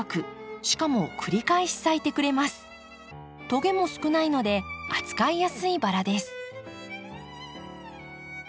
トゲも少ないので扱いやすいバラです。